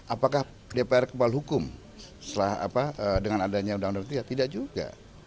apakah dpr kepala hukum dengan adanya undang undang md tiga tidak juga